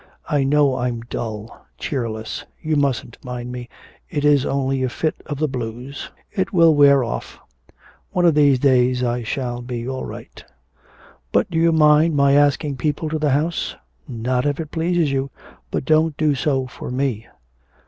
I know I'm dull, cheerless; you mustn't mind me, it is only a fit of the blues; it will wear off. One of these days I shall be all right.' 'But do you mind my asking people to the house?' 'Not if it pleases you. But don't do so for me.'